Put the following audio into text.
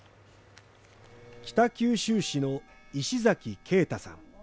北九州市の石崎慶太さん。